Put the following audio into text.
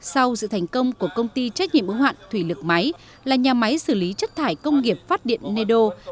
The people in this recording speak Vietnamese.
sau sự thành công của công ty trách nhiệm ứng hoạn thủy lực máy là nhà máy xử lý chất thải công nghiệp phát điện neo